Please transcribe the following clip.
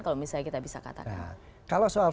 kalau misalnya kita bisa katakan kalau soal